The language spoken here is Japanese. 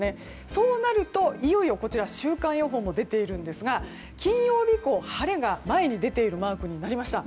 そうなると、いよいよ週間予報も出ていますが金曜日以降、晴れが出ているマークになりました。